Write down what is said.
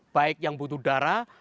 baik yang butuh darah